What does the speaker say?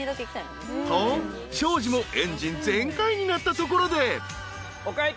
［と庄司もエンジン全開になったところで］